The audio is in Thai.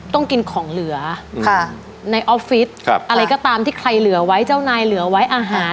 ต้องกินของเหลือในออฟฟิศอะไรก็ตามที่ใครเหลือไว้เจ้านายเหลือไว้อาหาร